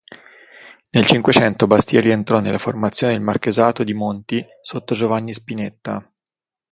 Nel Cinquecento Bastia rientrò nella formazione del marchesato di Monti sotto Giovanni Spinetta.